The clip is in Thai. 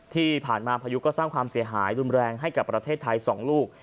พายุก็สร้างความเสียหายรุนแรงให้กับประเทศไทย๒ลูก